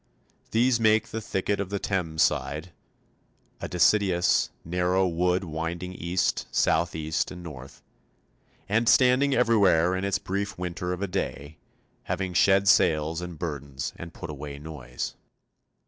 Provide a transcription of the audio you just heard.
These make the thicket of the Thames side, a deciduous, narrow wood winding east, south east, and north, and standing everywhere in its brief winter of a day, having shed sails and burdens and put away noise.